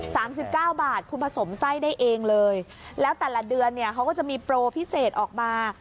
สามสิบเก้าบาทคุณผสมไส้ได้เองเลยแล้วแต่ละเดือนเนี่ยเขาก็จะมีโปรพิเศษออกมา